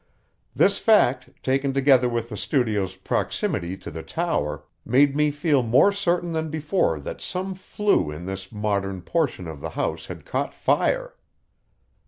This fact, taken together with the studio's proximity to the tower, made me feel more certain than before that some flue in this modern portion of the house had caught fire.